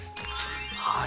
はい。